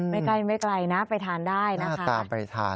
ไม่ใกล้นะไปทานได้นะคะน่าตามไปทาน